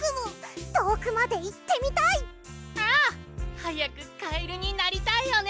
はやくカエルになりたいよね！